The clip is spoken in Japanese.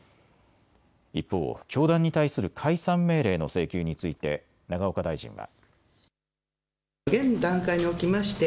一方、教団に対する解散命令の請求について永岡大臣は。